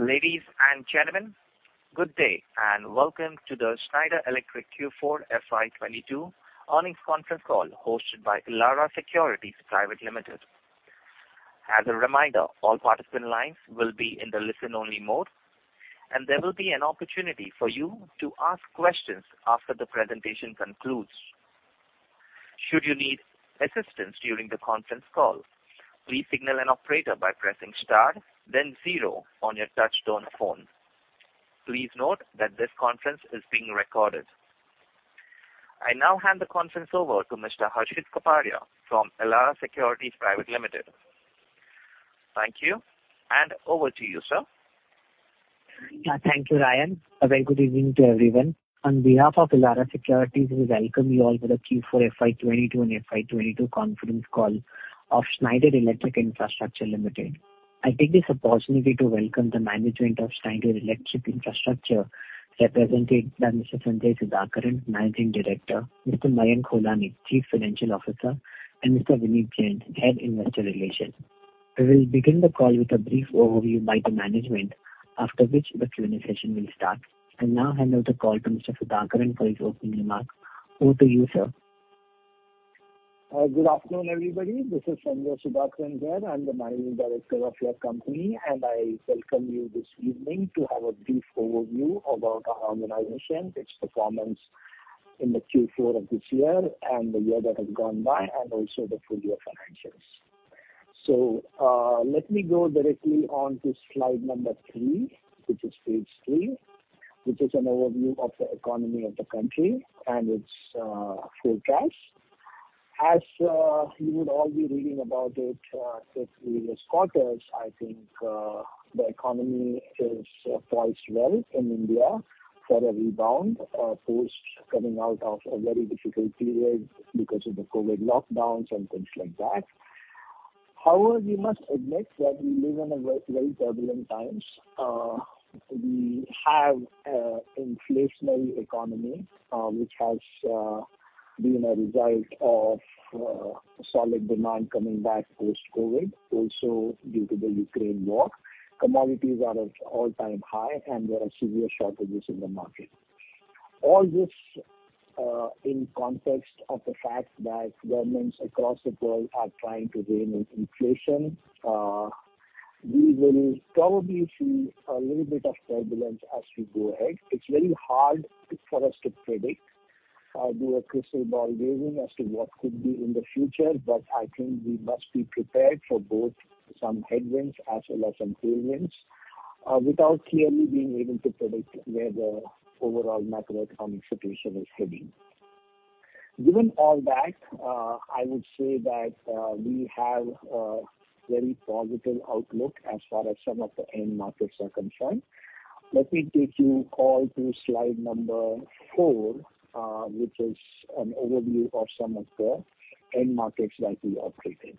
Ladies and gentlemen, good day and welcome to the Schneider Electric Infrastructure Q4 FY22 earnings conference call hosted by Elara Securities Private Limited. As a reminder, all participant lines will be in the listen-only mode, and there will be an opportunity for you to ask questions after the presentation concludes. Should you need assistance during the conference call, please signal an operator by pressing star then zero on your touchtone phone. Please note that this conference is being recorded. I now hand the conference over to Mr. Harshit Kapadia from Elara Securities Private Limited. Thank you, and over to you, sir. Yeah. Thank you, Ryan. A very good evening to everyone. On behalf of Elara Securities, we welcome you all to the Q4 FY22 and FY22 conference call of Schneider Electric Infrastructure Limited. I take this opportunity to welcome the management of Schneider Electric Infrastructure, represented by Mr. Sanjay Sudhakaran, Managing Director, Mr. Mayank Holani, Chief Financial Officer, and Mr. Vineet Jain, Head, Investor Relations. We will begin the call with a brief overview by the management after which the Q&A session will start. I now hand over the call to Mr. Sudhakaran for his opening remarks. Over to you, sir. Good afternoon, everybody. This is Sanjay Sudhakaran. I'm the managing director of your company, and I welcome you this evening to have a brief overview about our organization, its performance in the Q4 of this year and the year that has gone by and also the full year financials. Let me go directly on to slide number three, which is page three, which is an overview of the economy of the country and its forecast. You would all be reading about it since the previous quarters. I think the economy is poised well in India for a rebound post coming out of a very difficult period because of the COVID lockdowns and things like that. However, we must admit that we live in a very turbulent times. We have a inflationary economy, which has been a result of solid demand coming back post-COVID, also due to the Ukraine war. Commodities are at all-time high, and there are severe shortages in the market. All this, in context of the fact that governments across the world are trying to rein in inflation. We will probably see a little bit of turbulence as we go ahead. It's very hard for us to predict, do a crystal ball gazing as to what could be in the future, but I think we must be prepared for both some headwinds as well as some tailwinds, without clearly being able to predict where the overall macroeconomic situation is heading. Given all that, I would say that we have a very positive outlook as far as some of the end markets are concerned. Let me take you all to slide number 4, which is an overview of some of the end markets that we operate in.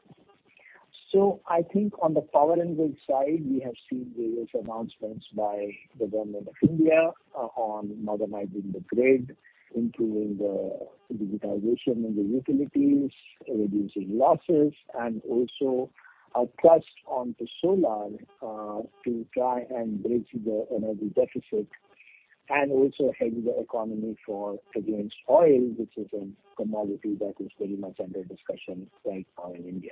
I think on the power and grid side, we have seen various announcements by the Government of India, on modernizing the grid, improving the digitization in the utilities, reducing losses, and also a thrust onto solar, to try and bridge the energy deficit and also hedge the economy against oil, which is a commodity that is very much under discussion right now in India.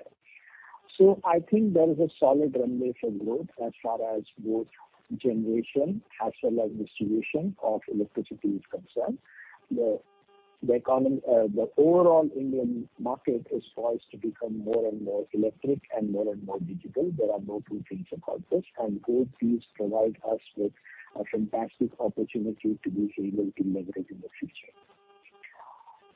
I think there is a solid runway for growth as far as both generation as well as distribution of electricity is concerned. The overall Indian market is poised to become more and more electric and more and more digital. There are no two things about this, and both these provide us with a fantastic opportunity to be able to leverage in the future.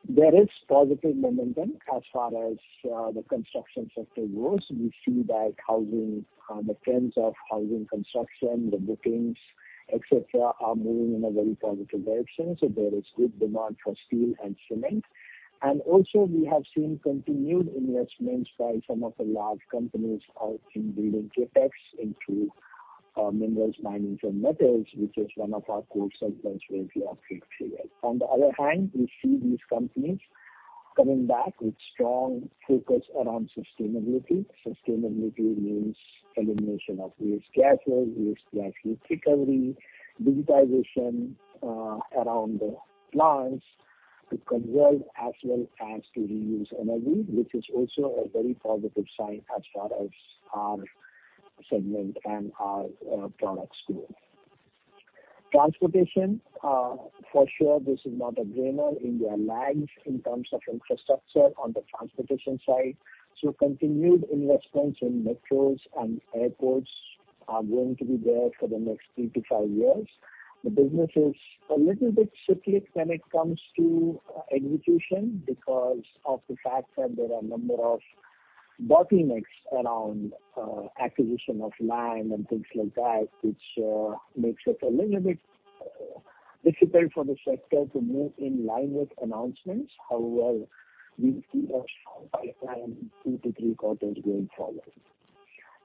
There is positive momentum as far as the construction sector goes. We see that housing the trends of housing construction, the bookings, et cetera, are moving in a very positive direction. There is good demand for steel and cement. Also we have seen continued investments by some of the large companies out in building CapEx into minerals, mining, and metals, which is one of our core segments where we operate through it. On the other hand, we see these companies coming back with strong focus around sustainability. Sustainability means elimination of waste gases, waste gas recovery, digitization around the plants to conserve as well as to reuse energy, which is also a very positive sign as far as our segment and our products go. Transportation, for sure this is not a drainer. India lags in terms of infrastructure on the transportation side. Continued investments in metros and airports are going to be there for the next 3-5 years. The business is a little bit cyclical when it comes to execution because of the fact that there are number of bottlenecks around acquisition of land and things like that, which makes it a little bit difficult for the sector to move in line with announcements. However, we see a strong pipeline 2-3 quarters going forward.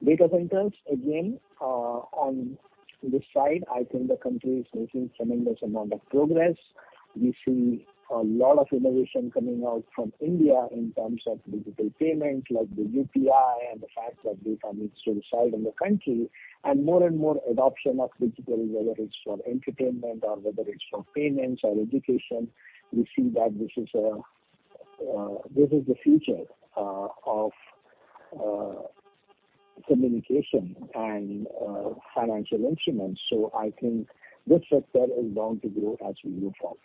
Data centers, again, on this side, I think the country is making tremendous amount of progress. We see a lot of innovation coming out from India in terms of digital payments, like the UPI and the fact that they come into this side of the country, and more and more adoption of digital, whether it's for entertainment or whether it's for payments or education. We see that this is the future of communication and financial instruments. I think this sector is bound to grow as we move forward.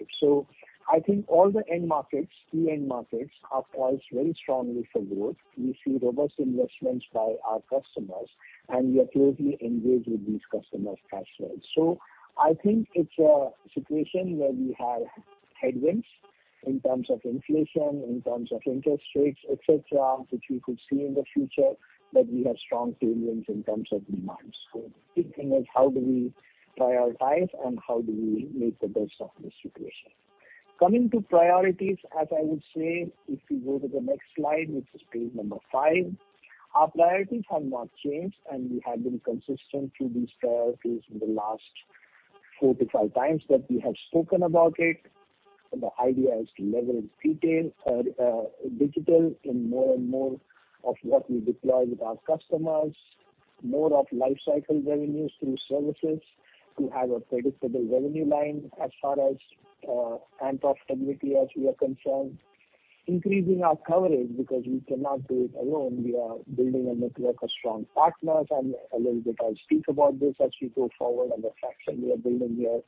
I think all the end markets, key end markets are poised very strongly for growth. We see robust investments by our customers, and we are closely engaged with these customers as well. I think it's a situation where we have headwinds in terms of inflation, in terms of interest rates, et cetera, which we could see in the future, but we have strong tailwinds in terms of demand. Big thing is how do we prioritize and how do we make the best of this situation. Coming to priorities, as I would say, if you go to the next slide, which is page number 5, our priorities have not changed, and we have been consistent through these priorities in the last four to five times that we have spoken about it. The idea is to leverage digital in more and more of what we deploy with our customers, more of lifecycle revenues through services to have a predictable revenue line as far as, and profitability as we are concerned. Increasing our coverage because we cannot do it alone. We are building a network of strong partners, and a little bit I'll speak about this as we go forward and the traction we are building here.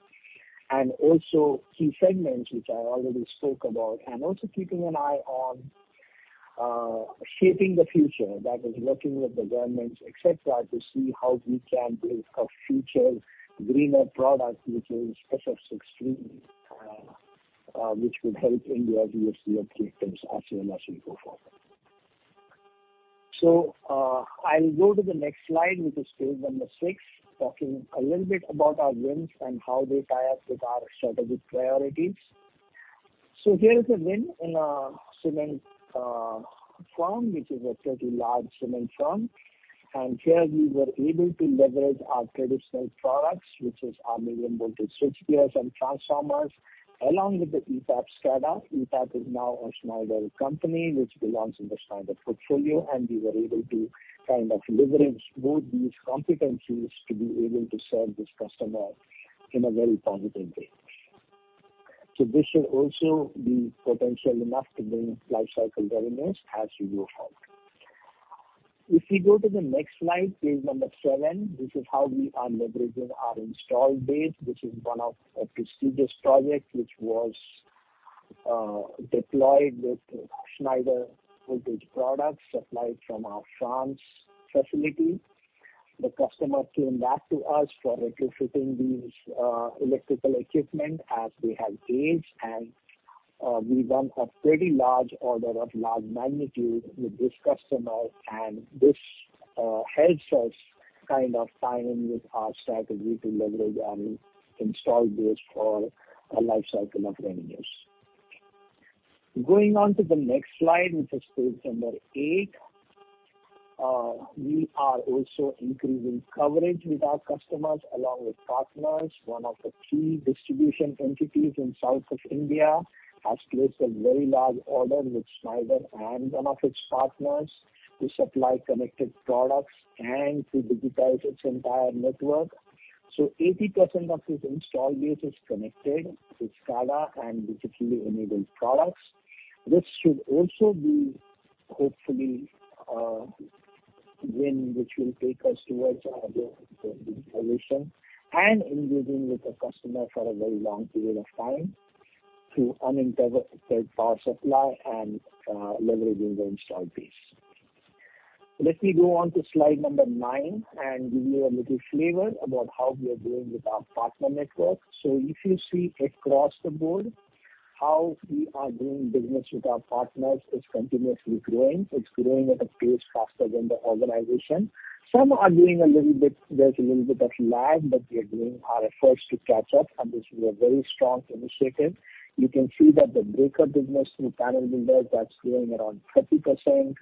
Also key segments which I already spoke about, and also keeping an eye on shaping the future, that is working with the governments, et cetera, to see how we can build a future greener product, which is SF6-free, which could help India achieve their objectives as well as we go forward. I'll go to the next slide, which is page number six, talking a little bit about our wins and how they tie up with our strategic priorities. Here is a win in a cement firm, which is a pretty large cement firm. Here we were able to leverage our traditional products, which is our medium voltage switchgears and transformers, along with the ETAP SCADA. ETAP is now a Schneider company which belongs in the Schneider portfolio, and we were able to kind of leverage both these competencies to be able to serve this customer in a very positive way. This should also be potential enough to bring lifecycle revenues as we go forward. If we go to the next slide, page number seven, this is how we are leveraging our installed base, which is one of a prestigious project which was deployed with Schneider voltage products supplied from our France facility. The customer came back to us for retrofitting these electrical equipment as they have aged. We won a pretty large order of large magnitude with this customer, and this helps us kind of tie in with our strategy to leverage an installed base for a lifecycle of revenues. Going on to the next slide, which is page number 8, we are also increasing coverage with our customers along with partners. One of the key distribution entities in south of India has placed a very large order with Schneider and one of its partners to supply connected products and to digitize its entire network. 80% of its installed base is connected with SCADA and digitally enabled products. This should also be hopefully a win which will take us towards our goal of digitalization and engaging with the customer for a very long period of time through uninterrupted power supply and leveraging the installed base. Let me go on to slide number 9 and give you a little flavor about how we are doing with our partner network. If you see across the board how we are doing business with our partners, it's continuously growing. It's growing at a pace faster than the organization. Some are doing a little bit. There's a little bit of lag, but we are doing our efforts to catch up, and this is a very strong initiative. You can see that the breaker business through panel builders, that's growing around 30%.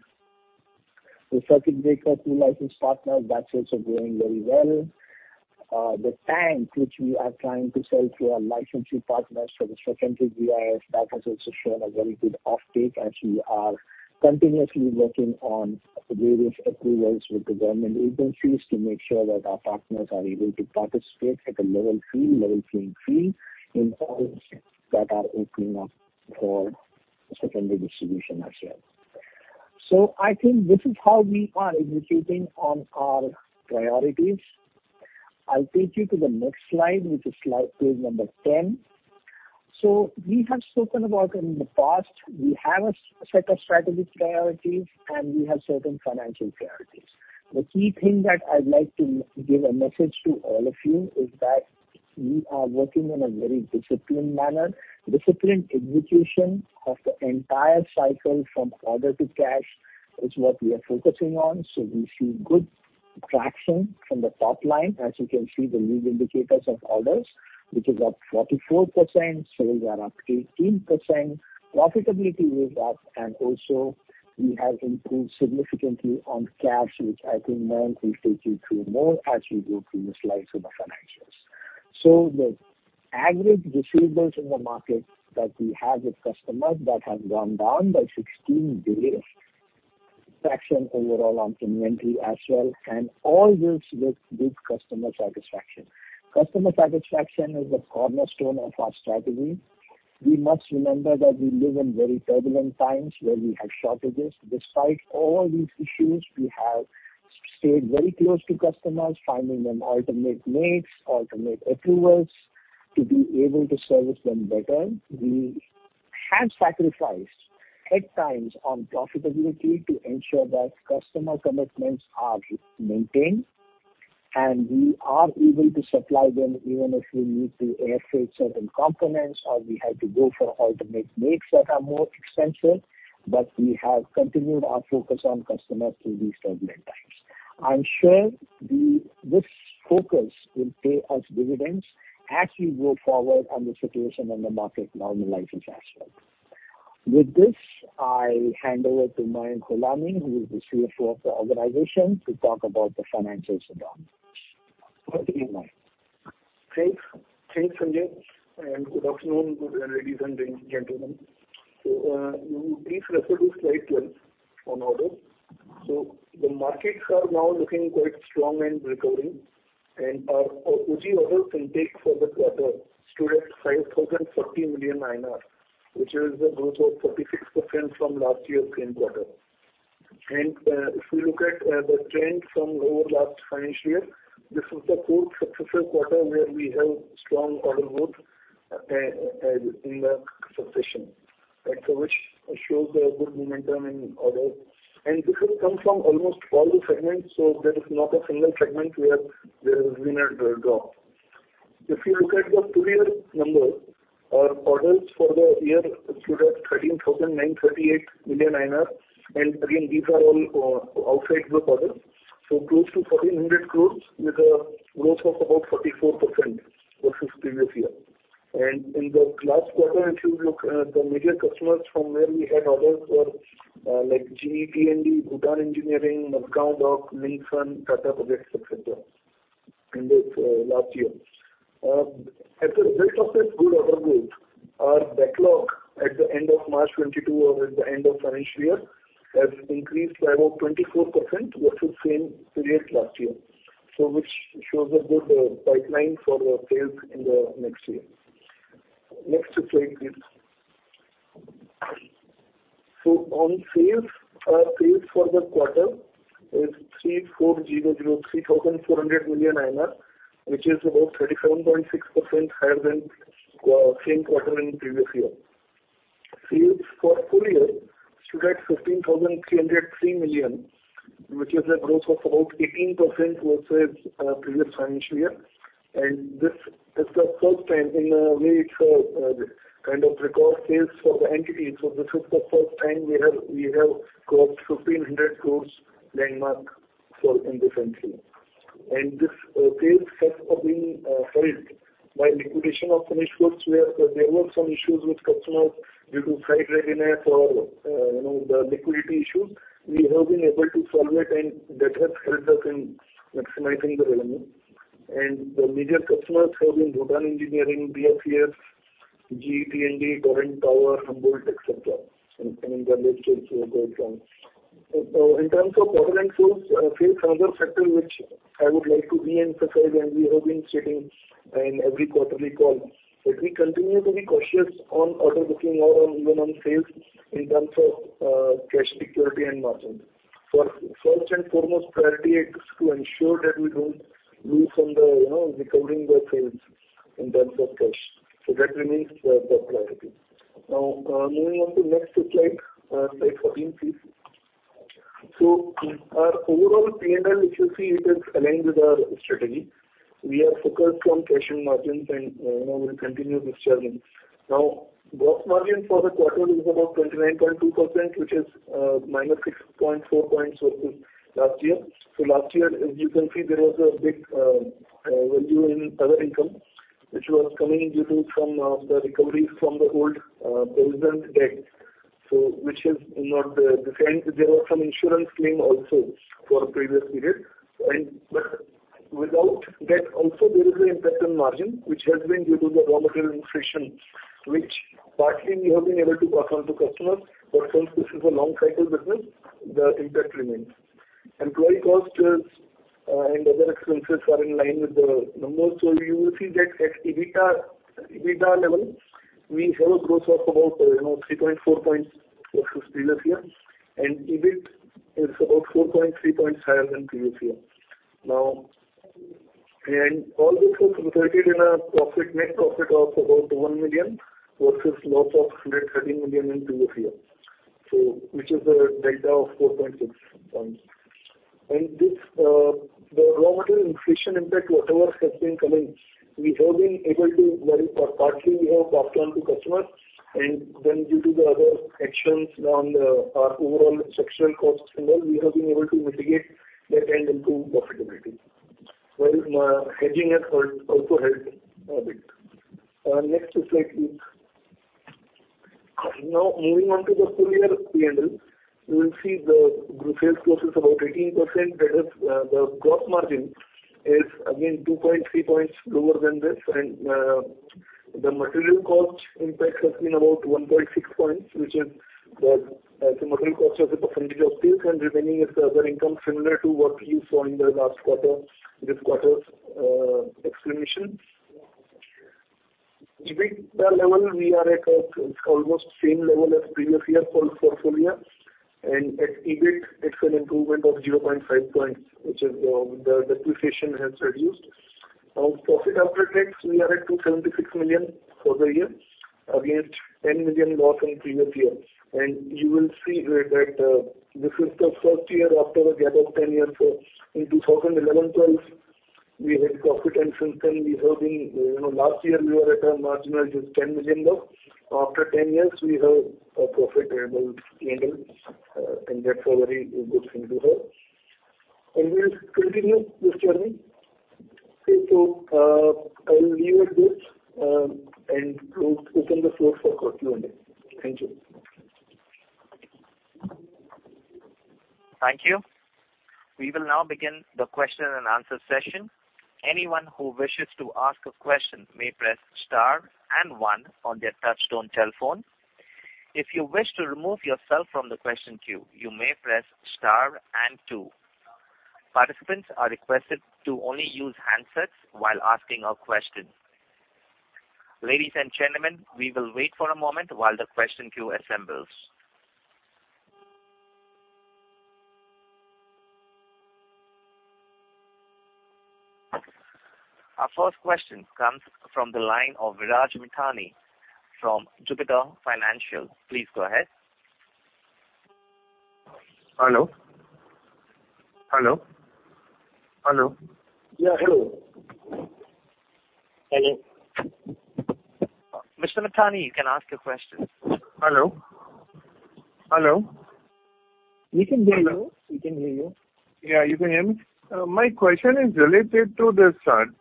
The circuit breaker through licensed partners, that's also growing very well. The tank which we are trying to sell through our licensing partners for the secondary GIS, that has also shown a very good offtake as we are continuously working on various approvals with the government agencies to make sure that our partners are able to participate at a level playing field in all that are opening up for secondary distribution as well. I think this is how we are executing on our priorities. I'll take you to the next slide, which is slide, page number 10. We have spoken about in the past, we have a set of strategic priorities and we have certain financial priorities. The key thing that I'd like to give a message to all of you is that we are working in a very disciplined manner. Disciplined execution of the entire cycle from order to cash is what we are focusing on. We see good traction from the top line. As you can see, the lead indicators of orders, which is up 44%, sales are up 18%, profitability is up, and also we have improved significantly on cash, which I think Mayank Holani will take you through more as we go through the slides on the financials. The average receivables in the market that we have with customers that have gone down by 16 days. Reduction overall on inventory as well, and all this with good customer satisfaction. Customer satisfaction is the cornerstone of our strategy. We must remember that we live in very turbulent times where we have shortages. Despite all these issues, we have stayed very close to customers, finding them alternate makes, alternate approvals to be able to service them better. We have sacrificed at times on profitability to ensure that customer commitments are maintained, and we are able to supply them even if we need to air freight certain components, or we have to go for alternate makes that are more expensive. We have continued our focus on customers through these turbulent times. I'm sure this focus will pay us dividends as we go forward and the situation in the market normalizes as well. With this, I hand over to Mayank Holani, who is the CFO of the organization, to talk about the financials in depth. Over to you, Mayank. Thanks. Thanks, Sanjay, and good afternoon, good ladies and gentlemen. You please refer to slide 12 on orders. The markets are now looking quite strong and recovering, and our OG orders intake for the quarter stood at 5,030 million, which is a growth of 46% from last year's same quarter. If you look at the trend from over last financial year, this is the fourth successive quarter where we have strong order growth in the succession. Which shows the good momentum in orders. This has come from almost all the segments, so there is not a single segment where there has been a drop. If you look at the full year numbers, our orders for the year stood at 13,938 million INR, and again, these are all outside group orders. Close to 1,400 crores with a growth of about 44% versus previous year. In the last quarter, if you look, the major customers from where we had orders were, like GE T&D, Bhutan Engineering, Mazagon Dock, Minsun, Tata Projects, etc., in this last year. As a result of this good order growth, our backlog at the end of March 2022 or at the end of financial year has increased by about 24% versus same period last year. Which shows a good pipeline for the sales in the next year. Next slide please. On sales, our sales for the quarter is 3,400 million INR, which is about 37.6% higher than same quarter in previous year. Sales for full year stood at 15,303 million, which is a growth of about 18% versus previous financial year. This is the first time in a way it's a kind of record sales for the entity. This is the first time we have crossed 1,500 crores landmark for this entity. Sales have been helped by liquidation of finished goods, where there were some issues with customers due to site readiness or, you know, the liquidity issues. We have been able to solve it, and that has helped us in maximizing the revenue. The major customers have been Bhutan Engineering, BFIF, GE T&D, Torrent Power, Humboldt, et cetera. In the late stage we have got some. In terms of order inflows, sales is another factor which I would like to re-emphasize, and we have been stating in every quarterly call, that we continue to be cautious on order booking or even on sales in terms of cash security and margins. For first and foremost priority is to ensure that we don't lose on the recovering the sales in terms of cash. That remains the priority. Now, moving on to next slide. Slide fourteen, please. Our overall P&L, if you see, it is aligned with our strategy. We are focused on cash and margins and we'll continue this journey. Now, gross margin for the quarter is about 29.2%, which is -6.4 points versus last year. Last year, as you can see, there was a big value in other income, which was coming due to some recoveries from the old present debt. Which is not the same. There was some insurance claim also for previous period. Without that also there is an impact on margin, which has been due to the raw material inflation, which partly we have been able to pass on to customers, but since this is a long cycle business, the impact remains. Employee costs and other expenses are in line with the numbers. You will see that at EBITDA level, we have a growth of about 3.4 points versus previous year. EBIT is about 4.3 points higher than previous year. Now, all this has resulted in a profit, net profit of about 1 million versus loss of 113 million in previous year. Which is a delta of 4.6 points. This, the raw material inflation impact, whatever has been coming, we have been able to or partly we have passed on to customers. Then due to the other actions on, our overall structural costs and all, we have been able to mitigate that and improve profitability, whereas, hedging has helped, also helped a bit. Next slide please. Now moving on to the full year P&L, you will see the group sales growth is about 18%. That is, the gross margin is again 2.3 points lower than this. The material cost impact has been about 1.6 points, which is the material cost as a percentage of sales and remaining is the other income similar to what you saw in the last quarter, this quarter's explanations. EBIT level, we are at almost same level as previous year for full year. At EBIT, it's an improvement of 0.5 points, which is the depreciation has reduced. On profit after tax, we are at 276 million for the year against 10 million loss in previous year. You will see that this is the first year after a gap of 10 years. In 2011-12, we had profit, and since then we have been, you know, last year we were at a marginal just 10 million loss. After 10 years, we have a profitable handle, and that's a very good thing to have. We'll continue this journey. Okay. I will leave it there and open the floor for Q&A. Thank you. Thank you. We will now begin the question-and-answer session. Anyone who wishes to ask a question may press star and one on their touchtone telephone. If you wish to remove yourself from the question queue, you may press star and two. Participants are requested to only use handsets while asking a question. Ladies and gentlemen, we will wait for a moment while the question queue assembles. Our first question comes from the line of Viraj Mithani from Jupiter Financial. Please go ahead. Hello? Yeah. Hello. Hello. Mr. Mithani, you can ask your question. Hello? Hello? We can hear you. We can hear you. Yeah, you can hear me? My question is related to this,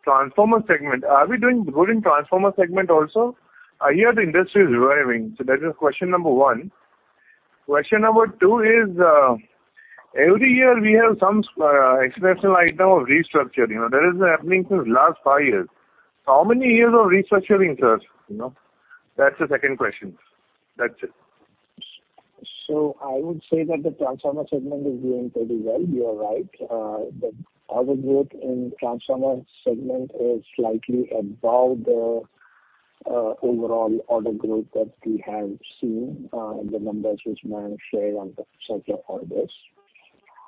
transformer segment. Are we doing good in transformer segment also? I hear the industry is reviving. That is question number 1. Question number 2 is, every year we have some, exceptional item of restructuring. You know, that is happening since last 5 years. How many years of restructuring, sir? You know, that's the second question. That's it. I would say that the transformer segment is doing pretty well. You are right. The order growth in transformer segment is slightly above the overall order growth that we have seen, the numbers which Mayank shared on the set of orders.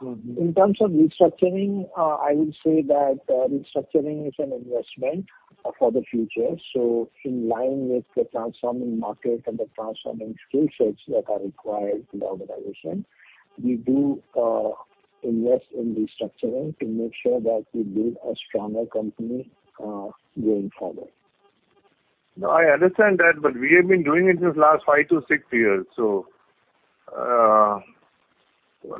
In terms of restructuring, I would say that restructuring is an investment for the future. In line with the transforming market and the transforming skill sets that are required in the organization, we do invest in restructuring to make sure that we build a stronger company, going forward. No, I understand that, but we have been doing it since last 5-6 years.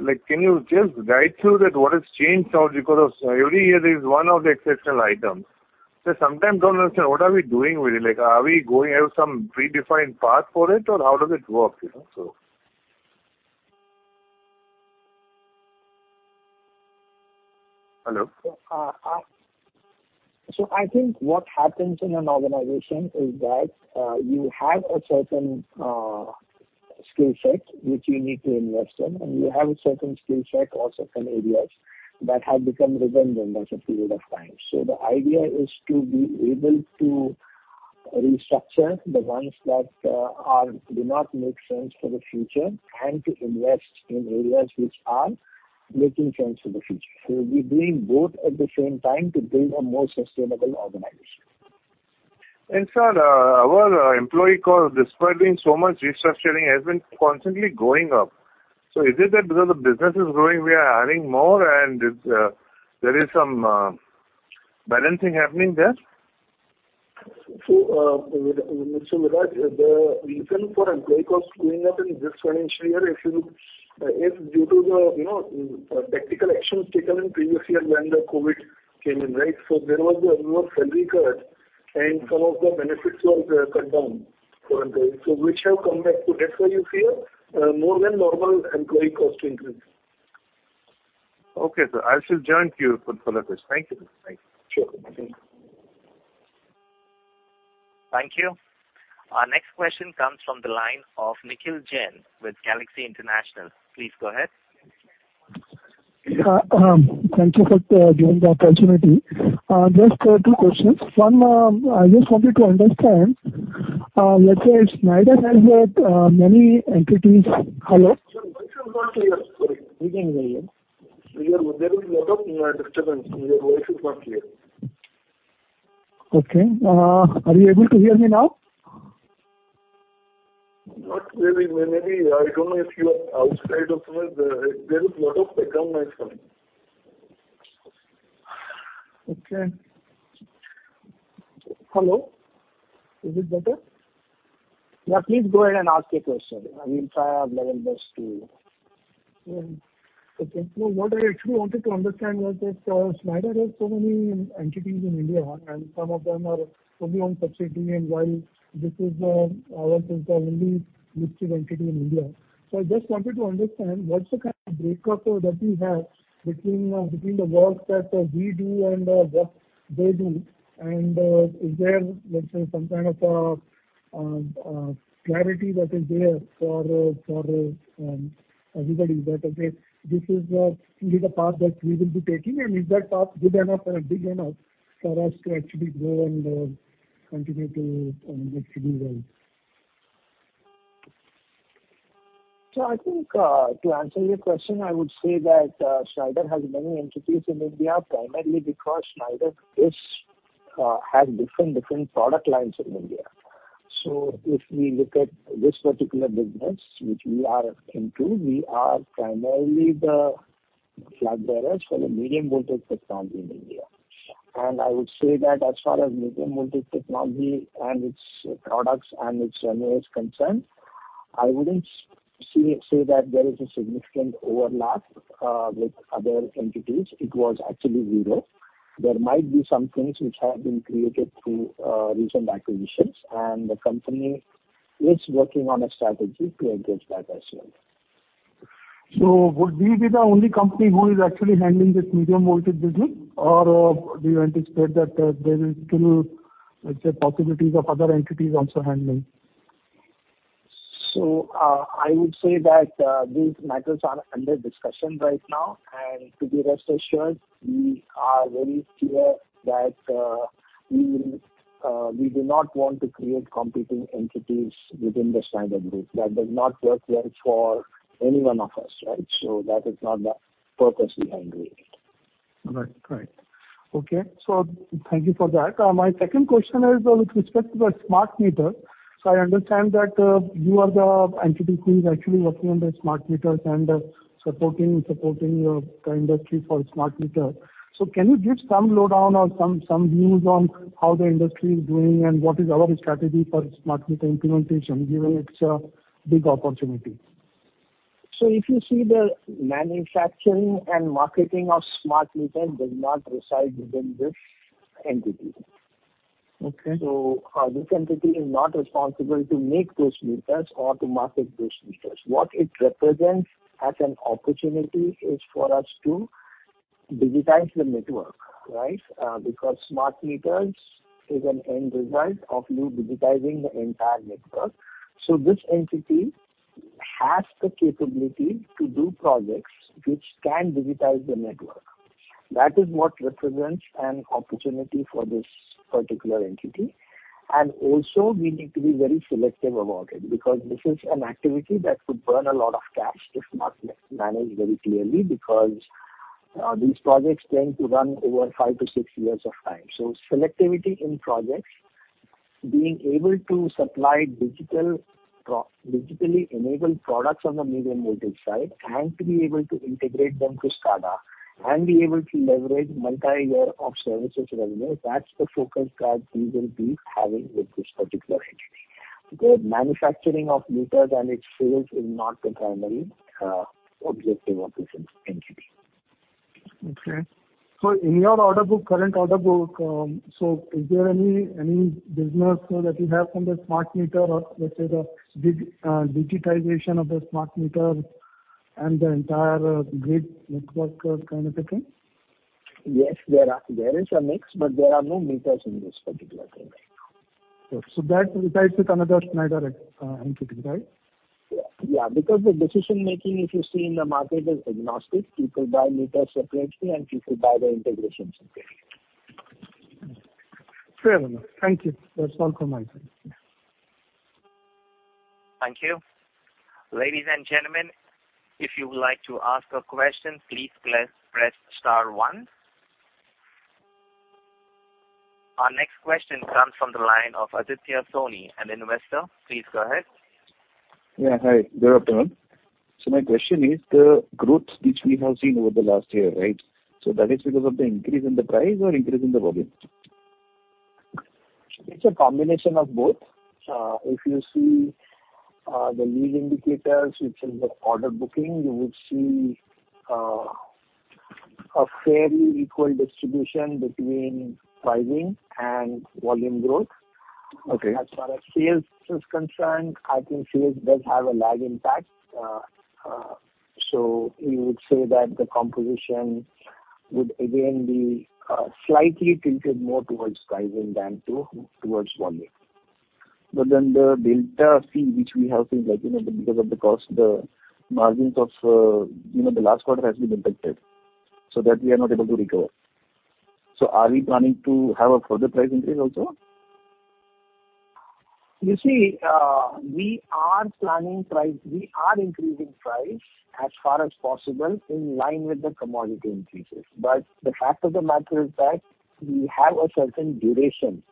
Like, can you just guide through that what has changed now? Because every year there is one of the exceptional items. Sometimes don't understand what are we doing with it. Like, are we going have some predefined path for it, or how does it work, you know? Hello? I think what happens in an organization is that you have a certain skill set which you need to invest in, and you have a certain skill set or certain areas that have become redundant as a period of time. The idea is to be able to restructure the ones that do not make sense for the future and to invest in areas which are making sense for the future. We're doing both at the same time to build a more sustainable organization. Sir, our employee cost, despite doing so much restructuring, has been constantly going up. Is it that because the business is growing, we are adding more and it's, there is some, balancing happening there? Viraj, the reason for employee cost going up in this financial year, if you look, is due to the, you know, practical actions taken in previous year when the COVID came in, right? There was a salary cut and some of the benefits were cut down for employees. Which have come back. That's why you see a more than normal employee cost increase. Okay, sir. I shall join you for follow-ups. Thank you. Thanks. Sure. Thank you. Thank you. Our next question comes from the line of Nikhil Jain with Galaxy International. Please go ahead. Thank you for giving the opportunity. Just two questions. One, I just wanted to understand, let's say Schneider has had many entities. Hello? Voice is not clear. Sorry. We can't hear you. There is a lot of disturbance, and your voice is not clear. Okay. Are you able to hear me now? Not really. Maybe, I don't know if you are outside or somewhere. There is a lot of background noise coming. Okay. Hello? Is it better? Yeah, please go ahead and ask your question. We'll try our level best to. Okay. No, what I actually wanted to understand was that Schneider has so many entities in India, and some of them are probably subsidiaries, and while this is, I would say, the only listed entity in India. I just wanted to understand what's the kind of breakdown that we have between the work that we do and what they do, and is there, let's say, some kind of clarity that is there for everybody that this is the path that we will be taking, and is that path good enough or big enough for us to actually grow and continue to actually do well? I think, to answer your question, I would say that, Schneider has many entities in India primarily because Schneider is, has different product lines in India. If we look at this particular business which we are into, we are primarily the flagbearers for the medium voltage technology in India. I would say that as far as medium voltage technology and its products and its revenue is concerned, I wouldn't say that there is a significant overlap, with other entities. It was actually zero. There might be some things which have been created through, recent acquisitions, and the company is working on a strategy to address that as well. Would we be the only company who is actually handling this medium voltage business, or do you anticipate that there is still, let's say, possibilities of other entities also handling? I would say that these matters are under discussion right now. To rest assured, we are very clear that we do not want to create competing entities within the Schneider group. That does not work well for any one of us, right? That is not the purpose we have created. All right. Great. Okay. Thank you for that. My second question is with respect to the smart meter. I understand that you are the entity who is actually working on the smart meters and supporting the industry for smart meter. Can you give some lowdown or some views on how the industry is doing and what is our strategy for smart meter implementation, given it's a big opportunity? If you see the manufacturing and marketing of smart meters does not reside within this entity. Okay. This entity is not responsible to make those meters or to market those meters. What it represents as an opportunity is for us to digitize the network, right? Because smart meters is an end result of you digitizing the entire network. This entity has the capability to do projects which can digitize the network. That is what represents an opportunity for this particular entity. Also we need to be very selective about it, because this is an activity that could burn a lot of cash if not managed very clearly, because these projects tend to run over 5-6 years of time. Selectivity in projects, being able to supply digitally enabled products on the medium voltage side, and to be able to integrate them to SCADA, and be able to leverage multi-year of services revenue, that's the focus that we will be having with this particular entity. The manufacturing of meters and its sales is not the primary objective of this entity. Okay. In your order book, current order book, is there any business that you have from the smart meter or, let's say, digitization of the smart meter and the entire grid network kind of a thing? Yes, there are. There is a mix, but there are no meters in this particular thing right now. That resides with another Schneider entity, right? Yeah. Because the decision-making, if you see in the market, is agnostic. People buy meters separately, and people buy the integration separately. Fair enough. Thank you. That's all from my side. Thank you. Ladies and gentlemen, if you would like to ask a question, please press star one. Our next question comes from the line of Aditya Soni, an investor. Please go ahead. Yeah. Hi. Good afternoon. My question is the growth which we have seen over the last year, right? That is because of the increase in the price or increase in the volume? It's a combination of both. If you see, the lead indicators, which is the order booking, you would see, a fairly equal distribution between pricing and volume growth. Okay. As far as sales is concerned, I think sales does have a lag impact. You would say that the composition would again be slightly tilted more towards pricing than towards volume. The delta fee which we have seen, like, you know, because of the cost, the margins of, you know, the last quarter has been impacted, so that we are not able to recover. Are we planning to have a further price increase also? You see, we are increasing price as far as possible in line with the commodity increases. The fact of the matter is that we have a certain duration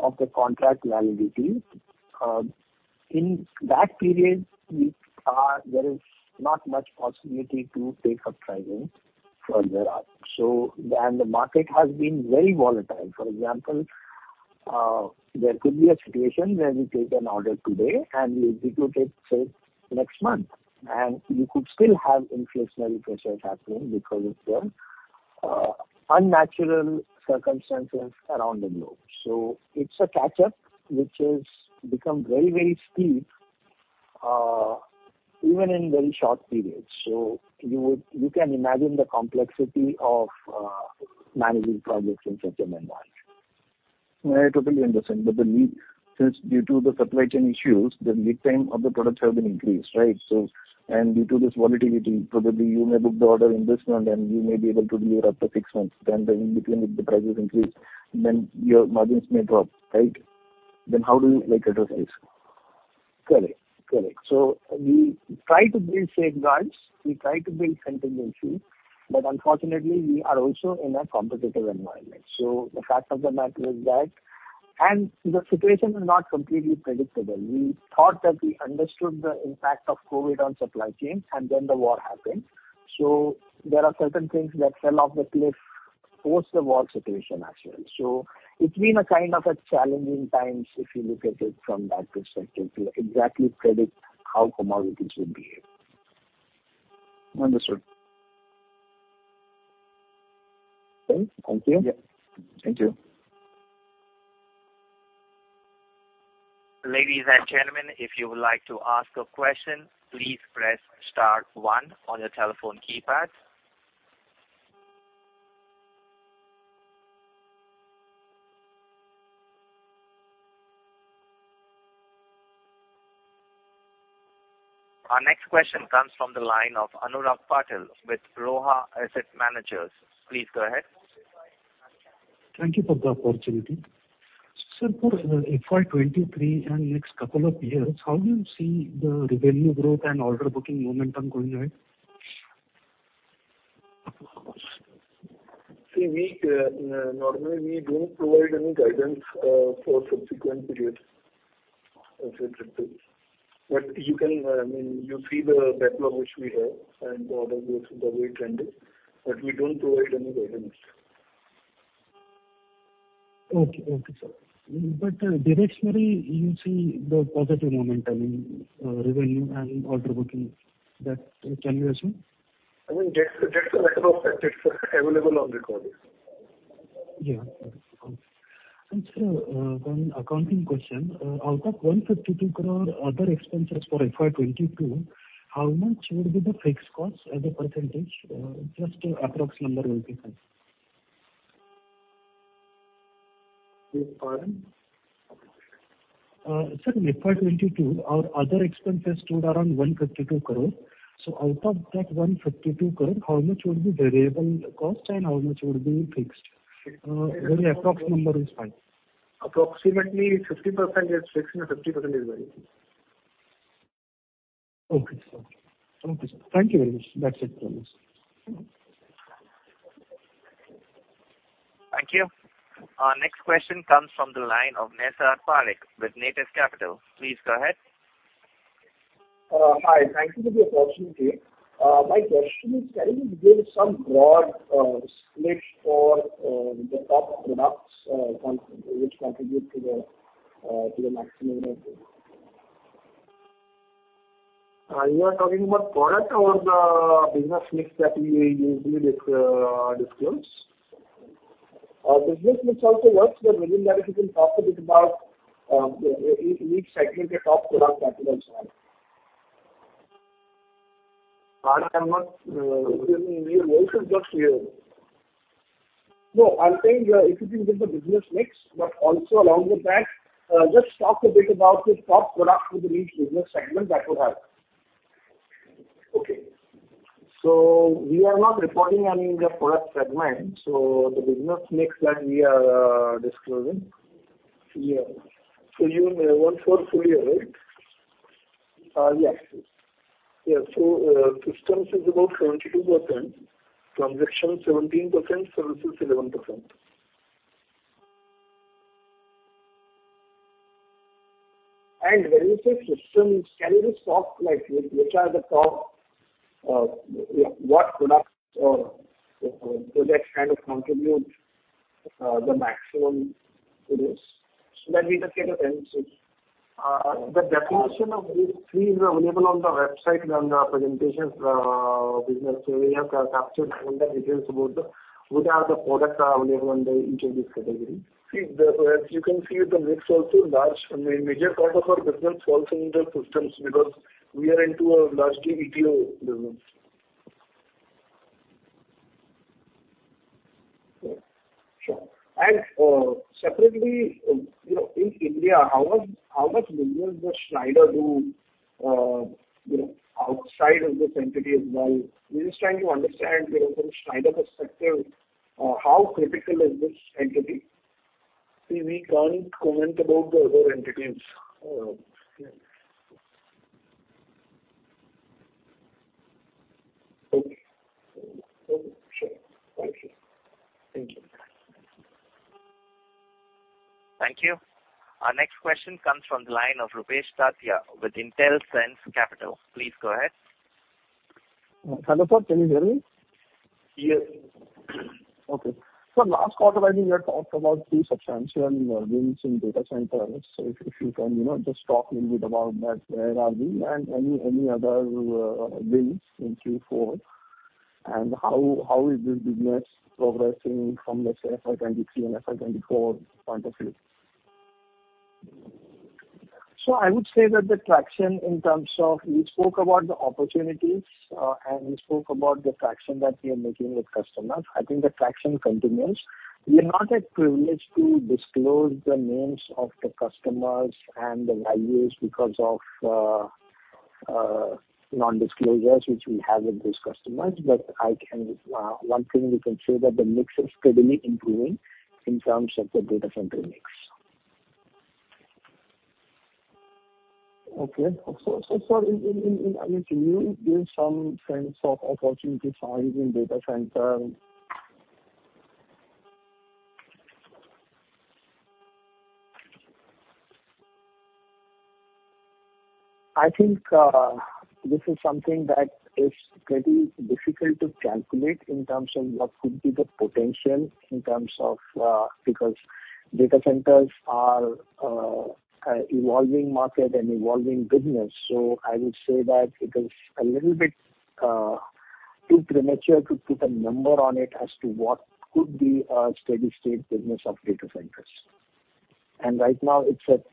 of the contract validity. In that period, there is not much possibility to take up pricing further up. The market has been very volatile. For example, There could be a situation where we take an order today and we execute it, say, next month, and you could still have inflationary pressures happening because of the unnatural circumstances around the globe. It's a catch-up which has become very, very steep, even in very short periods. You can imagine the complexity of managing projects in such an environment. I totally understand. Since due to the supply chain issues, the lead time of the products have been increased, right? Due to this volatility, probably you may book the order in this month and you may be able to deliver after six months. The in between if the prices increase, then your margins may drop, right? How do you, like, address this? Correct. We try to build safeguards, we try to build contingencies, but unfortunately we are also in a competitive environment. The fact of the matter is that the situation is not completely predictable. We thought that we understood the impact of COVID on supply chains and then the war happened. There are certain things that fell off the cliff post the war situation actually. It's been a kind of a challenging times, if you look at it from that perspective, to exactly predict how commodities would behave. Understood. Okay. Thank you. Yeah. Thank you. Ladies and gentlemen, if you would like to ask a question, please press star one on your telephone keypad. Our next question comes from the line of Anurag Patil with Roha Asset Managers. Please go ahead. Thank you for the opportunity. Sir, for FY 2023 and next couple of years, how do you see the revenue growth and order booking momentum going ahead? See, we normally don't provide any guidance for subsequent periods as such. You can, I mean, you see the backlog which we have and the order book, the way it's trending. We don't provide any guidance. Okay. Okay, sir. Directionally you see the positive momentum in revenue and order booking. That can we assume? I mean, that's the backlog that's available on record. Sir, one accounting question. Out of INR 152 crore other expenses for FY 2022, how much would be the fixed cost as a percentage? Just approx number will be fine. Sorry. Sir, in FY 2022, our other expenses stood around 152 crore. Out of that 152 crore, how much would be variable cost and how much would be fixed? Very approx number is fine. Approximately 50% is fixed and 50% is variable. Okay, sir. Okay, sir. Thank you very much. That's it from me, sir. Thank you. Our next question comes from the line of Nisarg Parekh with Natus Capital. Please go ahead. Hi. Thank you for the opportunity. My question is, can you give some broad split for the top products which contribute to the maximum revenue? Are you talking about product or the business mix that we usually disclose? Business mix also works, but within that if you can talk a bit about each segment, the top product that you guys have. No, I'm saying, if you can give the business mix, but also along with that, just talk a bit about the top product with each business segment that would help. Okay. We are not reporting on the product segment, so the business mix that we are disclosing. Yeah. You may want full figure, right? Yes. Yeah. Systems is about 72%, transactions 17%, services 11%. When you say systems, can you just talk like which are the top, yeah, what products or projects kind of contribute the maximum to this? That we just get a sense of. The definition of these three is available on the website and our presentations. Business area capture all the details about the, which are the products are available under each of these category. As you can see, the mix is also large. I mean, major part of our business falls under systems because we are into a largely B2B business. Sure. Sure. Separately, you know, in India, how much business does Schneider do, you know, outside of this entity as well? We're just trying to understand, you know, from Schneider perspective, how critical is this entity? See, we can't comment about the other entities. All right. Yeah. Okay. Okay. Sure. Thank you. Thank you. Thank you. Our next question comes from the line of Rupesh Tatiya with Intelsense Capital. Please go ahead. Hello, sir. Can you hear me? Yes. Okay. Last quarter, I think you had talked about three substantial wins in data centers. If you can, you know, just talk a little bit about that, where are we and any other wins in Q4, and how is this business progressing from, let's say, FY 2023 and FY 2024 point of view? I would say that the traction in terms of. We spoke about the opportunities, and we spoke about the traction that we are making with customers. I think the traction continues. We are not yet privileged to disclose the names of the customers and the values because of non-disclosures which we have with these customers. But I can, one thing we can say that the mix is steadily improving in terms of the data center mix. Okay. Sir, I mean, can you give some sense of opportunity size in data center? I think this is something that is pretty difficult to calculate in terms of what could be the potential in terms of because data centers are an evolving market and evolving business. I would say that it is a little bit too premature to put a number on it as to what could be a steady state business of data centers. Right now it's at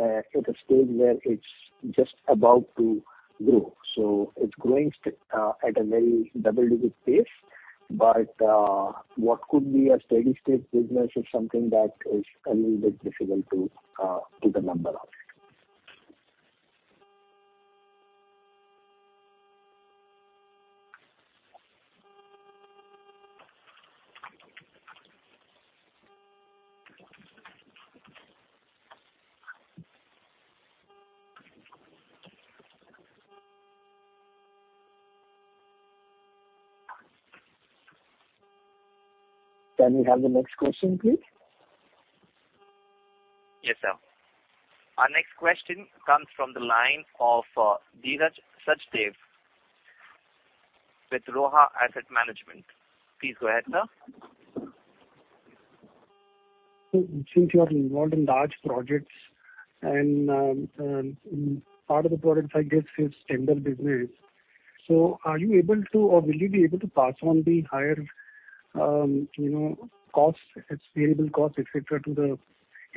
a stage where it's just about to grow. It's growing at a very double-digit pace. What could be a steady state business is something that is a little bit difficult to put a number on it. Can we have the next question, please? Yes, sir. Our next question comes from the line of Dhiraj Sachdev with Roha Asset Management. Please go ahead, sir. Since you are involved in large projects and part of the projects I guess is tender business. Are you able to or will you be able to pass on the higher, you know, costs, its variable costs, et cetera, to the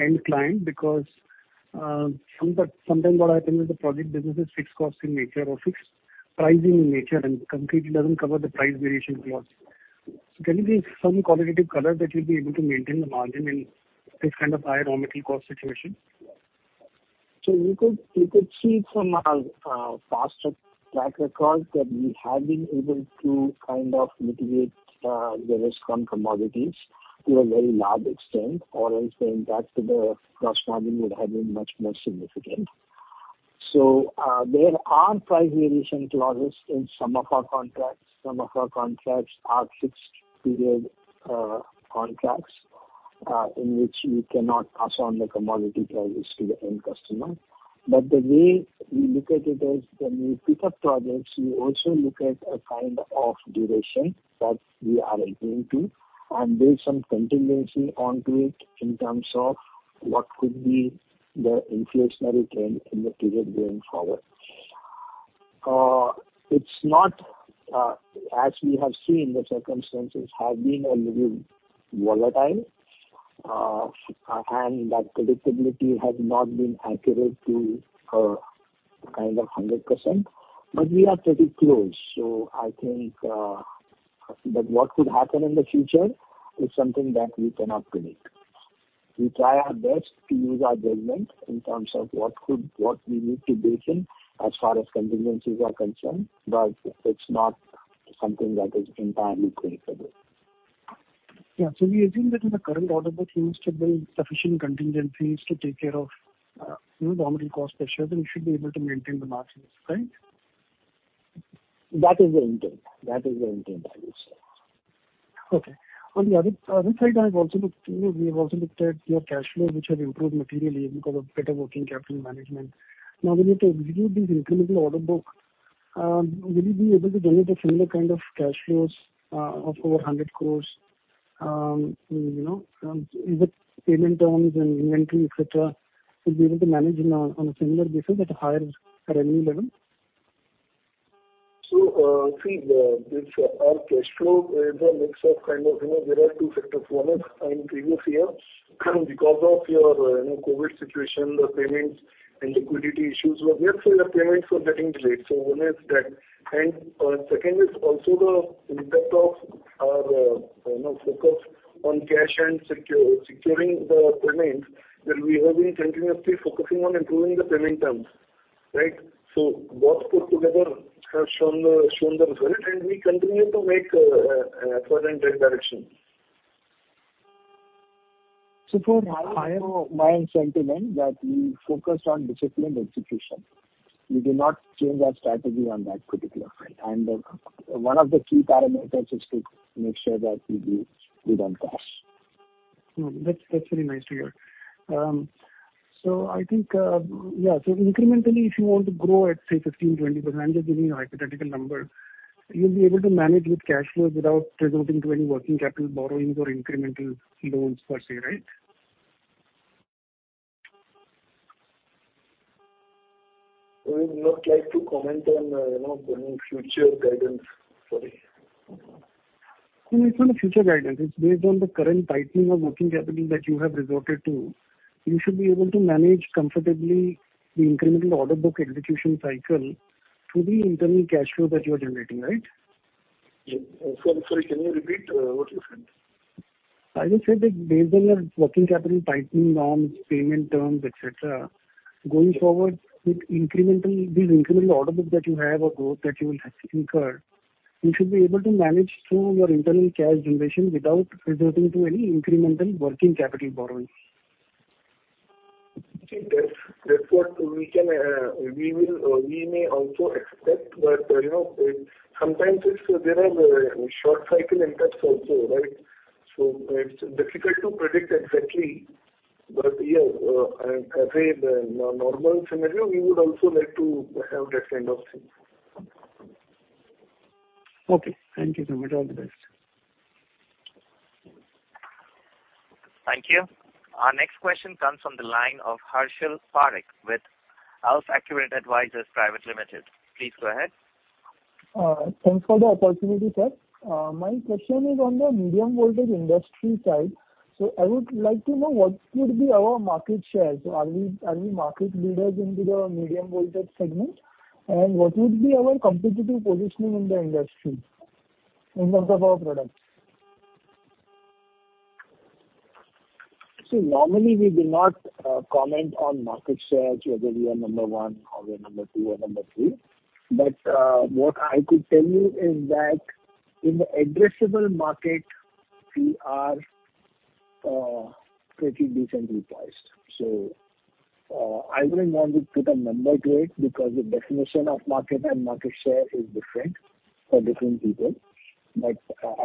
end client? Sometimes what happens is the project business is fixed costs in nature or fixed pricing in nature, and the contract doesn't cover the price variation clause. Can you give some qualitative color that you'll be able to maintain the margin in this kind of higher raw material cost situation? You could see from our past track record that we have been able to kind of mitigate the risk from commodities to a very large extent, or else the impact to the gross margin would have been much more significant. There are price variation clauses in some of our contracts. Some of our contracts are fixed period contracts in which we cannot pass on the commodity prices to the end customer. The way we look at it is when we pick up projects, we also look at a kind of duration that we are agreeing to, and there's some contingency onto it in terms of what could be the inflationary trend in the period going forward. It's not, as we have seen, the circumstances have been a little volatile, and that predictability has not been accurate to kind of hundred percent, but we are pretty close. I think, but what could happen in the future is something that we cannot predict. We try our best to use our judgment in terms of what we need to bake in as far as contingencies are concerned, but it's not something that is entirely predictable. Yeah. We assume that in the current order book, you must have built sufficient contingent fees to take care of, you know, raw material cost pressures, and you should be able to maintain the margins. Right? That is the intent, I would say. Okay. On the other side, I've also looked, you know, we have also looked at your cash flows which have improved materially because of better working capital management. Now, when you execute these incremental order book, will you be able to generate a similar kind of cash flows of over 100 crores, you know, with payment terms and inventory, et cetera? Will you be able to manage on a similar basis at higher, at a new level? Our cash flow is a mix of kind of, you know, there are two factors. One is in previous year, because of the, you know, COVID situation, the payments and liquidity issues were there, so payments were getting delayed. One is that. Second is also the impact of our, you know, focus on cash and securing the payments that we have been continuously focusing on improving the payment terms. Right? Both put together have shown the result, and we continue to make progress in that direction. From my own sentiment that we focused on disciplined execution. We did not change our strategy on that particular front. One of the key parameters is to make sure that we focus on cash. No, that's very nice to hear. I think, yeah. Incrementally, if you want to grow at, say, 15%-20%, I'm just giving you a hypothetical number, you'll be able to manage with cash flows without resorting to any working capital borrowings or incremental loans per se, right? We would not like to comment on, you know, any future guidance. Sorry. No, it's not a future guidance. It's based on the current tightening of working capital that you have resorted to. You should be able to manage comfortably the incremental order book execution cycle through the internal cash flow that you are generating, right? Yeah. Sorry, can you repeat what you said? I just said that based on your working capital tightening norms, payment terms, et cetera, going forward with these incremental order book that you have or growth that you will have to incur, you should be able to manage through your internal cash generation without resorting to any incremental working capital borrowings. Okay. That's what we can, we will or we may also expect. You know, sometimes there are short cycle impacts also, right? It's difficult to predict exactly. Yeah, in the normal scenario, we would also like to have that kind of thing. Okay. Thank you so much. All the best. Thank you. Our next question comes from the line of Harshal Parekh with AlfAccurate Advisors Private Limited. Please go ahead. Thanks for the opportunity, sir. My question is on the medium voltage industry side. I would like to know what could be our market share. Are we market leaders into the medium voltage segment? What would be our competitive positioning in the industry in terms of our products? Normally we do not comment on market share as to whether we are number one or we are number two or number three. What I could tell you is that in the addressable market, we are pretty decently poised. I wouldn't want to put a number to it because the definition of market and market share is different for different people. But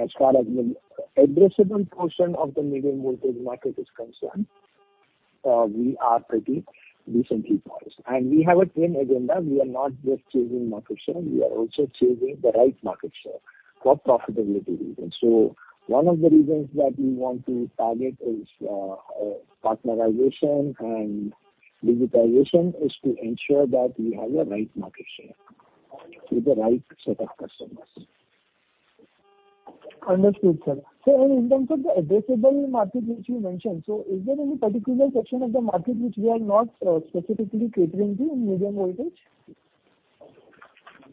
as far as the addressable portion of the medium voltage market is concerned, we are pretty decently poised. We have a twin agenda. We are not just chasing market share, we are also chasing the right market share for profitability reasons. One of the reasons that we want to target is partnerization and digitization is to ensure that we have the right market share with the right set of customers. Understood, sir. In terms of the addressable market which you mentioned, so is there any particular section of the market which we are not specifically catering to in medium voltage?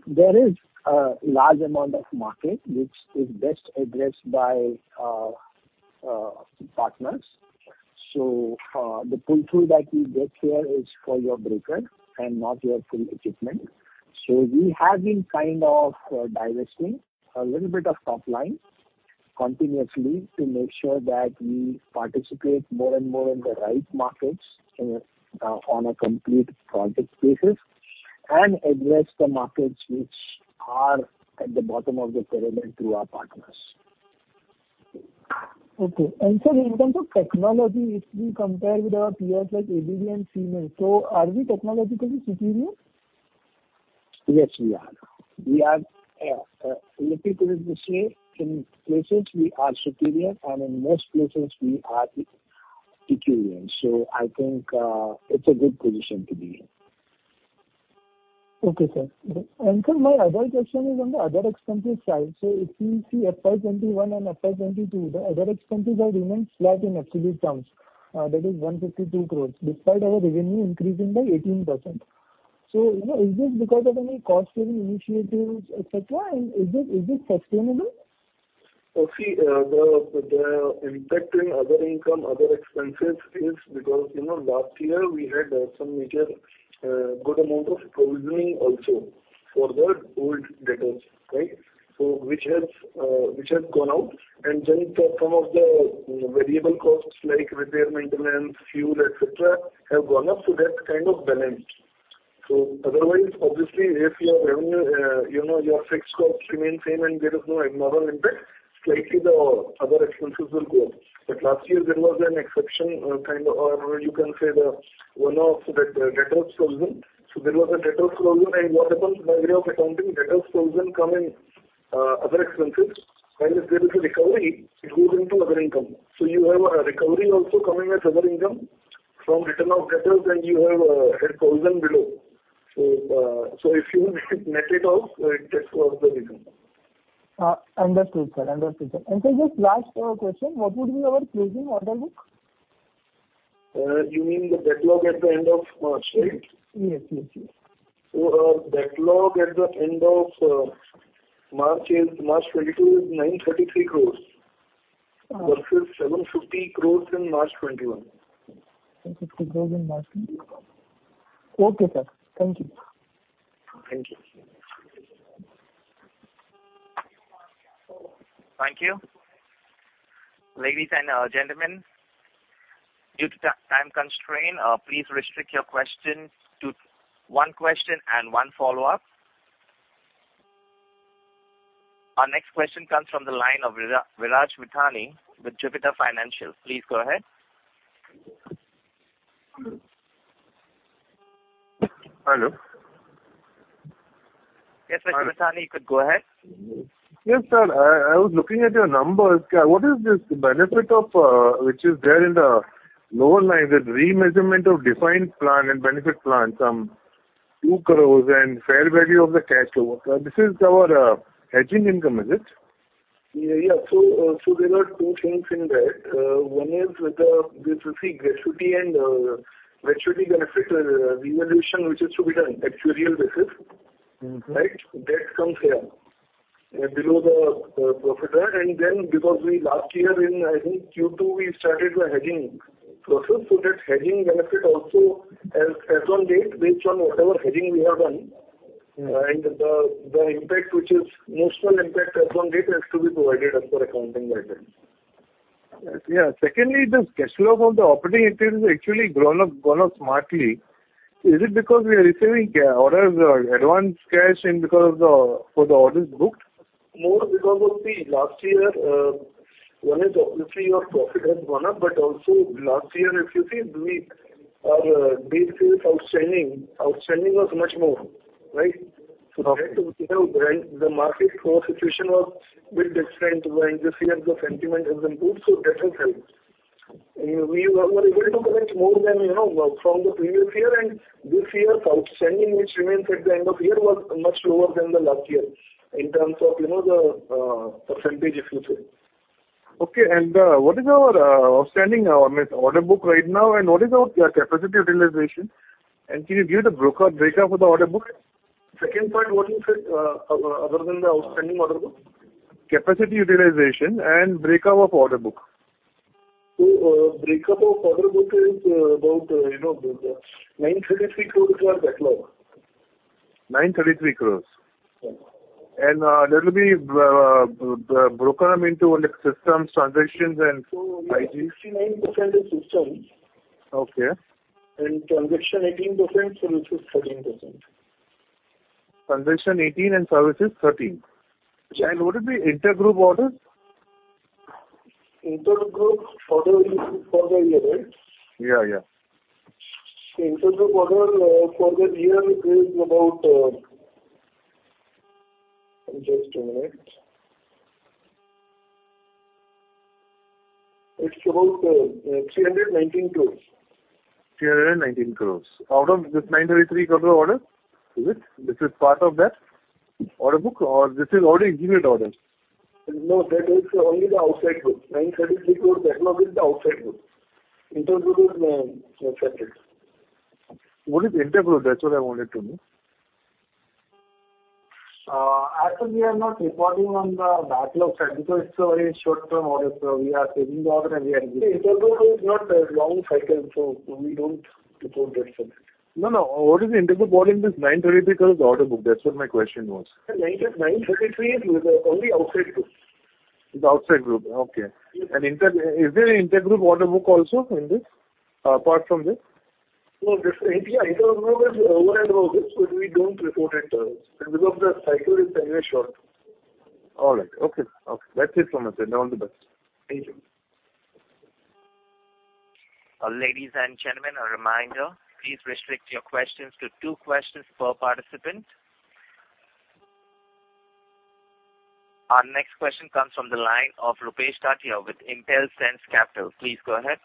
There is a large amount of market which is best addressed by partners. The pull-through that you get here is for your breaker and not your full equipment. We have been kind of divesting a little bit of top line continuously to make sure that we participate more and more in the right markets on a complete project basis, and address the markets which are at the bottom of the pyramid through our partners. Okay. Sir, in terms of technology, if we compare with our peers like ABB and Siemens, so are we technologically superior? Yes, we are. Let me put it this way. In places we are superior, and in most places we are equivalent. I think it's a good position to be in. Okay, sir. Sir, my other question is on the other expenses side. If we see FY 2021 and FY 2022, the other expenses remained flat in absolute terms, that is 152 crore, despite our revenue increasing by 18%. You know, is this because of any cost-saving initiatives, et cetera, and is it sustainable? See, the impact in other income, other expenses is because, you know, last year we had some major good amount of provisioning also for the old debtors, right? Which has gone out. Then some of the variable costs like repair, maintenance, fuel, et cetera, have gone up. That's kind of balanced. Otherwise obviously if your revenue, you know, your fixed costs remain same and there is no abnormal impact, slightly the other expenses will go up. Last year there was an exception kind of or you can say the one-off that debtors provision. There was a debtors provision. What happens by way of accounting, debtors provision come in other expenses, and if there is a recovery, it goes into other income. You have a recovery also coming as other income from return of debtors, and you have had provision below. If you net it out, that was the reason. Understood, sir. Sir, just last question. What would be our closing order book? You mean the backlog at the end of March, right? Yes. Our backlog at the end of March 2022 is 933 crore versus 750 crore in March 2021. 750 crore in March 2021. Okay, sir. Thank you. Thank you. Thank you. Ladies and gentlemen, due to time constraint, please restrict your question to one question and one follow-up. Our next question comes from the line of Viraj Mithani with Jupiter Financial. Please go ahead. Hello? Yes, Mr. Mithani, you could go ahead. Yes, sir. I was looking at your numbers. What is this benefit of, which is there in the lower lines of remeasurement of defined benefit plan, some 2 crore and fair value of cash flow hedges. This is our hedging income, is it? Yeah. There are two things in that. One is with the this you see gratuity and gratuity benefit reevaluation, which is to be done actuarial basis. Right? That comes here below the profit there. Because we last year in, I think Q2, we started the hedging process. That hedging benefit also as on date based on whatever hedging we have done. The impact, which is notional impact as on date, has to be provided as per accounting guidance. Yes. Yeah. Secondly, this cash flow from the operating entities has actually gone up smartly. Is it because we are receiving orders or advance cash for the orders booked? More because of the last year, one is obviously your profit has gone up, but also last year if you see base is outstanding. Outstanding was much more, right? Okay. That, you know, when the market situation was a bit different than this year the sentiment has been good, so that has helped. We were able to collect more than, you know, from the previous year and this year's outstanding which remains at the end of the year was much lower than the last year in terms of, you know, the percentage if you say. Okay. What is our outstanding, I mean, order book right now and what is our capacity utilization? Can you give the broker breakup of the order book? Second point, what you said, other than the outstanding order book? Capacity utilization and breakup of order book. Breakup of order book is about, you know, the 933 crores are backlog. 933 crore. Yes. That'll be broken into like systems, transactions and IT. 69% is systems. Okay. Transaction 18%, services 13%. Transmission 18 and services 13. Yeah. What is the intergroup orders? Intergroup order is for the year, right? Yeah, yeah. Intra-group order for the year is about. Just a minute. It's about 319 crores. 319 crore. Out of this 933 crore order, is it? This is part of that order book or this is already executed order? No, that is only the Outside Group. 933 crore backlog is the Outside Group. Intergroup is separate. What is intergroup? That's what I wanted to know. As we are not reporting on the backlog side because it's a very short-term order. We are taking the order. Intergroup is not a long cycle, so we don't report that side. No, no. What is the intergroup order in this 933 crore order book? That's what my question was. 93 is with the only outside group. The Outside Group. Okay. Yes. Is there an intergroup order book also in this, apart from this? No, this. Yeah, intergroup is over and above this, but we don't report it, because the cycle is very short. All right. Okay. Okay. That's it from my side. All the best. Thank you. Ladies and gentlemen, a reminder, please restrict your questions to two questions per participant. Our next question comes from the line of Rupesh Tatiya with Intelsense Capital. Please go ahead.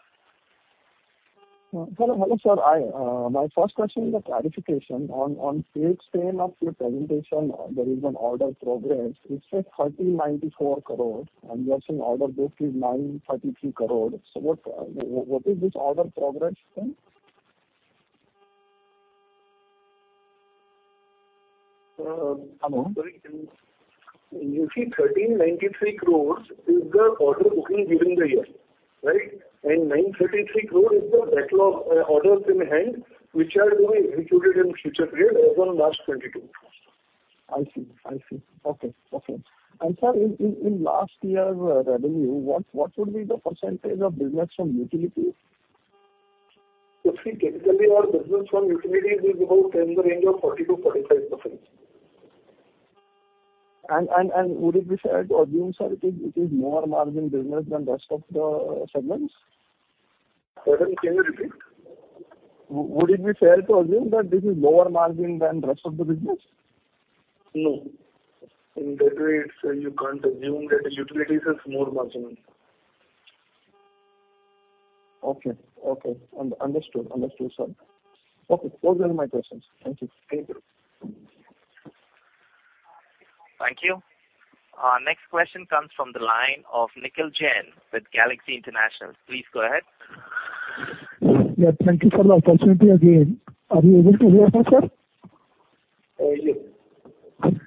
Hello, sir. I, my first question is a clarification. On page 10 of your presentation, there is an order progress. It says 1,394 crore, and you are saying order book is 933 crore. What is this order progress then? Hello. You see 1,393 crores is the order booking during the year, right? 933 crore is the backlog, orders in hand which are going to be executed in future period as on March 2022. I see. Okay. Sir, in last year's revenue, what would be the percentage of business from utilities? You see, typically our business from utilities is about in the range of 40%-45%. Would it be fair to assume, sir, it is more margin business than rest of the segments? Sorry, can you repeat? Would it be fair to assume that this is lower margin than rest of the business? No. In that way it's, you can't assume that utilities is more margin. Okay. Understood, sir. Okay. Those are my questions. Thank you. Thank you. Thank you. Our next question comes from the line of Nikhil Jain with Galaxy International. Please go ahead. Yeah, thank you for the opportunity again. Are you able to hear me, sir? Yes.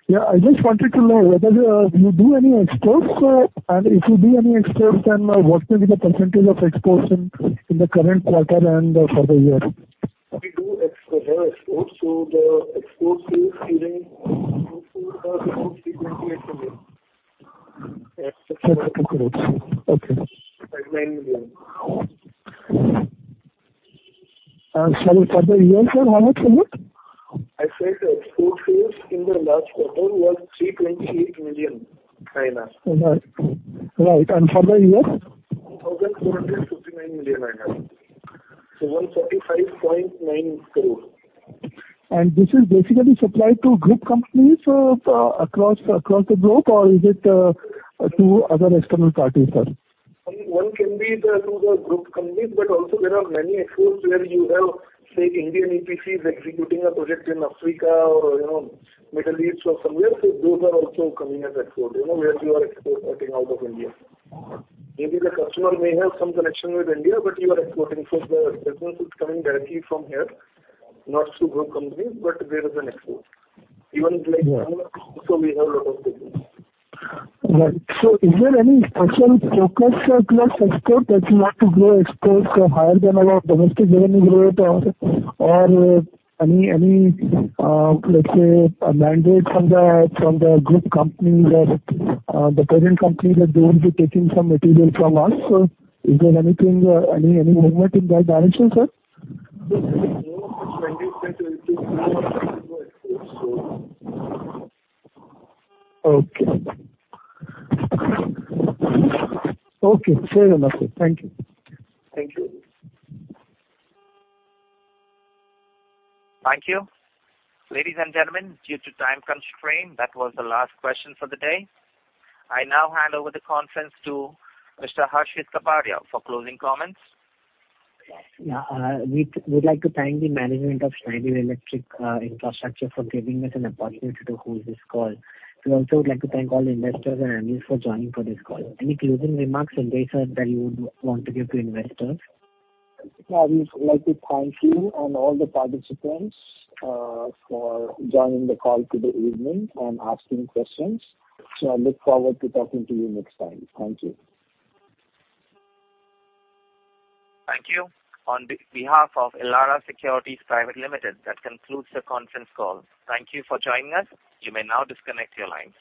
Yeah. I just wanted to know whether you do any exports, and if you do any exports, then what will be the percentage of exports in the current quarter and for the year? We do exports. The exports is around 28%. Yes. 28%. Okay. Like INR 9 million. For the year, sir, how much was it? I said exports in the last quarter was 328 million. Right. For the year? 1,459 million. 145.9 crore. This is basically supplied to group companies across the globe or is it to other external parties, sir? Orders can be to the group companies, but also there are many exports where you have, say, Indian EPCs executing a project in Africa or, you know, Middle East or somewhere. Those are also coming as exports, you know, where you are exporting working out of India. Uh-huh. Maybe the customer may have some connection with India, but you are exporting. The business is coming directly from here, not through group companies, but there is an export. Even in like Yeah. Also we have a lot of business. Right. Is there any special focus or clear aspect that you want to grow exports higher than our domestic revenue rate or any, let's say, a mandate from the group company that the parent company that they will be taking some material from us? Is there anything or any movement in that direction, sir? Okay. Very well, sir. Thank you. Thank you. Thank you. Ladies and gentlemen, due to time constraint, that was the last question for the day. I now hand over the conference to Mr. Harshit Kapadia for closing comments. Yeah. We'd like to thank the management of Schneider Electric Infrastructure for giving us an opportunity to hold this call. We also would like to thank all investors and analysts for joining us for this call. Any closing remarks, Sanjay sir, that you would want to give to investors? I would like to thank you and all the participants for joining the call today evening and asking questions. I look forward to talking to you next time. Thank you. Thank you. On behalf of Elara Securities Private Limited, that concludes the conference call. Thank you for joining us. You may now disconnect your lines.